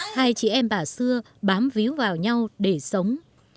hai chị em bà xưa bám víu vào nhau để sống